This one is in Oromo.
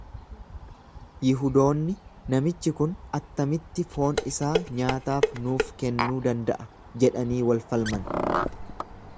Yihudoonni, Namichi kun attamitti foon isaa nyaataaf nuuf kennuu danda’a jedhanii wal falman.